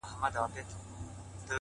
o اشتها تر غاښ لاندي ده٫